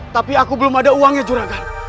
tapi aku belum ada uangnya juragan